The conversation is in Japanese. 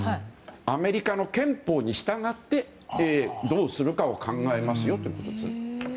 アメリカの憲法に従ってどうするかを考えますよということですね。